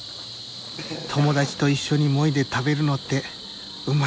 友達と一緒にもいで食べるのってうまいんだよな。